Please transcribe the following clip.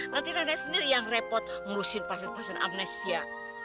nanti nenek sendiri yang repot ngurusin pasien pasien amnesia